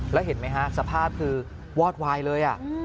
แล้วเห็นไหมฮะสภาพคือวอดวายเลย